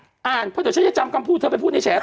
เพราะเดี๋ยวชั้นจะจำคำพูดเธอไปพูดในแชร์ต่อ